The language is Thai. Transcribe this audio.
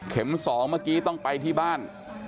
เข็มสองเมื่อกี้ต้องไปที่บ้าน